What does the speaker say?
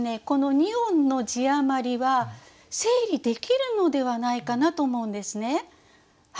この２音の字余りは整理できるのではないかなと思うんですね。